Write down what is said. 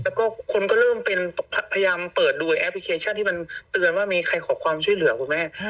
แล้วก็คนก็เริ่มเป็นพยายามเปิดดูแอปพลิเคชันที่มันเตือนว่ามีใครขอความช่วยเหลือคุณแม่